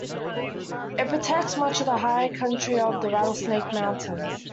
It protects much of the high country of the Rattlesnake Mountains.